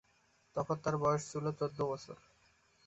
তখন তার বয়স ছিল চৌদ্দ বছর।